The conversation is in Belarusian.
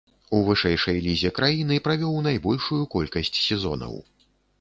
У вышэйшай лізе краіны правёў найбольшую колькасць сезонаў.